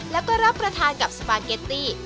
แล้วก็รับประทานกับสปาเกตตี้